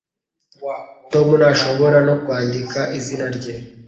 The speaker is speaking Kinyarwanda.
Tom ntashobora no kwandika izina rye